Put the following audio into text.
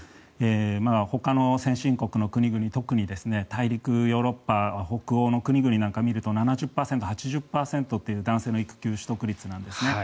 ほかの先進国の国々特に大陸、ヨーロッパ北欧の国々なんかを見ると７０％、８０％という男性の育休取得率なんですね。